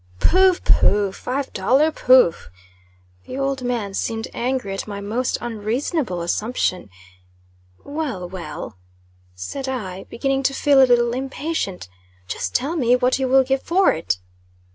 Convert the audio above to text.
"Pho! Pho! Five dollar! Pho!" The old man seemed angry at my most unreasonable assumption. "Well, well," said I, beginning to feel a little impatient, "just tell me what you will give for it."